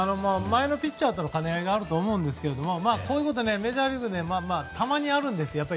前のピッチャーとの兼ね合いがあると思うんですがこういうことメジャーリーグたまにあるんです。